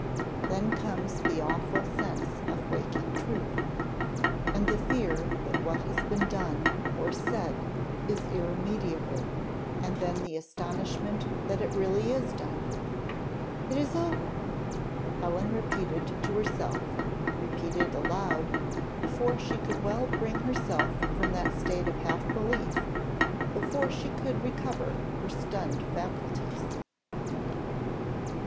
Then comes the awful sense of waking truth, and the fear that what has been done, or said, is irremediable, and then the astonishment that it really is done. "It is over!" Helen repeated to herself, repeated aloud, before she could well bring herself from that state of half belief, before she could recover her stunned faculties.